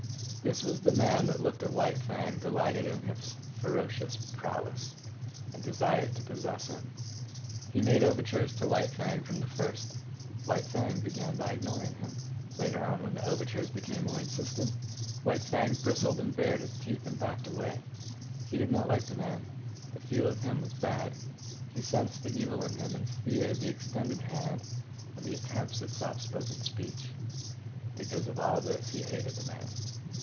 This was the man that looked at White Fang, delighted in his ferocious prowess, and desired to possess him. He made overtures to White Fang from the first. White Fang began by ignoring him. Later on, when the overtures became more insistent, White Fang bristled and bared his teeth and backed away. He did not like the man. The feel of him was bad. He sensed the evil in him, and feared the extended hand and the attempts at soft spoken speech. Because of all this, he hated the man.